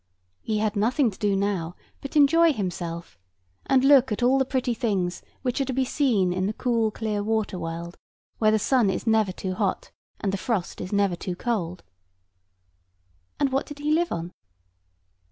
He had nothing to do now but enjoy himself, and look at all the pretty things which are to be seen in the cool clear water world, where the sun is never too hot, and the frost is never too cold. [Picture: Insect] And what did he live on?